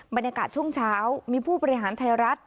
บรรยากาศช่วงเช้ามีผู้บริหารไทยรัฐ